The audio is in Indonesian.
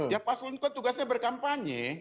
ya paslon itu tugasnya berkampanye